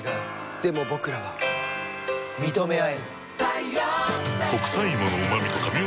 でも僕らは。認め合える。